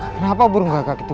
kenapa burung kakak itu